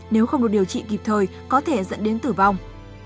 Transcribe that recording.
nếu không được điều trị kịp thời có thể dẫn đến tử vong